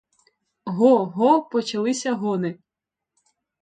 Го-го — почалися гони.